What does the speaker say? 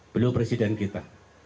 belum presiden kita